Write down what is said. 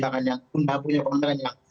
saya kira kita punya perintah yang